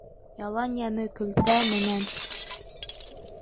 Ялан йәме көлтә менән.